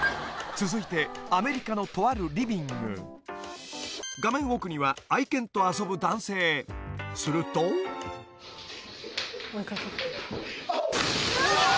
続いてアメリカのとあるリビング画面奥には愛犬と遊ぶ男性するとＯｈ！